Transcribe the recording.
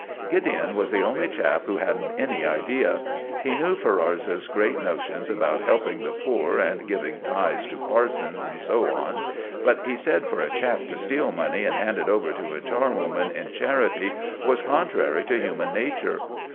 Gideon was the only chap who hadn't any idea. He knew Ferrars's great notions about helping the poor and giving tithes to parsons, and so on, but he said for a chap to steal money and hand it over to a charwoman in charity was contrary to human nature.